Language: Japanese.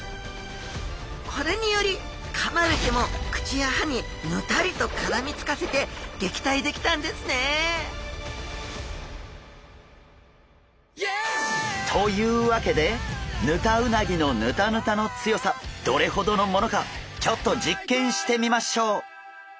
これによりかまれても口や歯にヌタリとからみつかせてげきたいできたんですねというわけでヌタウナギのヌタヌタの強さどれほどのものかちょっと実験してみましょう！